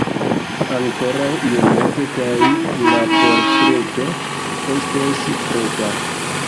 Ankoraŭ iomete kaj la portreto estos preta.